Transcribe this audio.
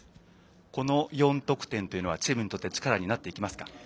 この４得点というのはチームにとって力になっていきますか？